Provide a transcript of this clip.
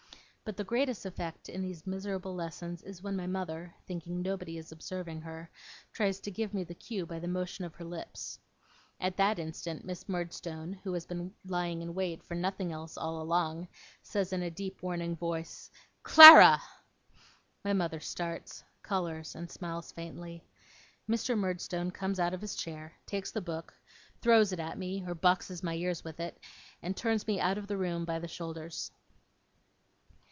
But the greatest effect in these miserable lessons is when my mother (thinking nobody is observing her) tries to give me the cue by the motion of her lips. At that instant, Miss Murdstone, who has been lying in wait for nothing else all along, says in a deep warning voice: 'Clara!' My mother starts, colours, and smiles faintly. Mr. Murdstone comes out of his chair, takes the book, throws it at me or boxes my ears with it, and turns me out of the room by the shoulders.